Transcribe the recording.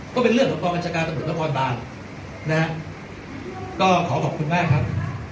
ก็เป็นเรื่องของกรบบัญชาการตรวจต้องความร้อนบ้านนะฮะก็ขอบอกคุณมากครับ